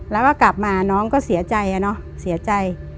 แล้วก็กลับมาน้องก็เสียใจอะเนาะเสียใจ